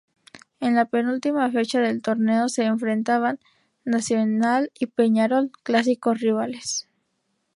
En la penúltima fecha del torneo se enfrentaban Nacional y Peñarol, clásicos rivales.